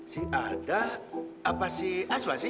si ada apa si asma sih